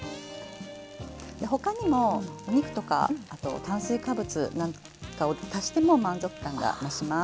で他にもお肉とか炭水化物なんかを足しても満足感が増します。